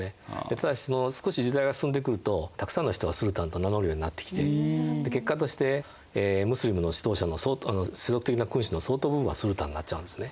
ただし少し時代が進んでくるとたくさんの人がスルタンと名乗るようになってきて結果としてムスリムの指導者の世俗的な君主の相当分はスルタンになっちゃうんですね。